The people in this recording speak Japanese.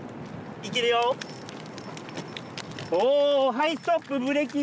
はいストップブレーキ。